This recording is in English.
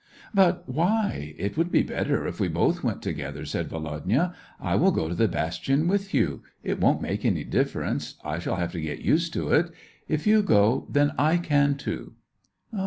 " But why ? It would be better if we both went together," said Volodya ;'' I will go to the bastion with you. It won't make any difference ; I shall have to get used to it. If you go, then I can too."